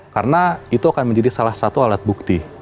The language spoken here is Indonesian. karena itu akan menjadi salah satu alat bukti